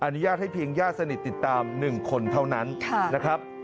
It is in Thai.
อนุญาตให้เพียงญาติสนิทติดตาม๑คนเท่านั้นนะครับ